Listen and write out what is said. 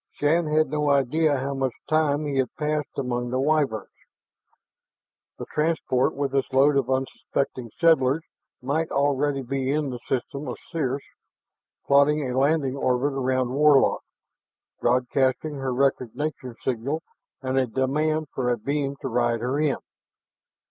Shann had no idea how much time he had passed among the Wyverns; the transport with its load of unsuspecting settlers might already be in the system of Circe, plotting a landing orbit around Warlock, broadcasting her recognition signal and a demand for a beam to ride her in.